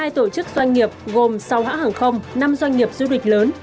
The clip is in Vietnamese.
một mươi hai tổ chức doanh nghiệp gồm sáu hãng hàng không năm doanh nghiệp du lịch lớn